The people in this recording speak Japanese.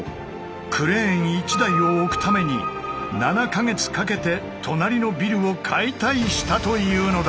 クレーン１台を置くために７か月かけて隣のビルを解体したというのだ！